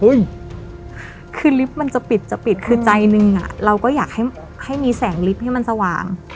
คือลิฟต์มันจะปิดจะปิดคือใจหนึ่งอ่ะเราก็อยากให้มีแสงลิฟต์ให้มันสว่าง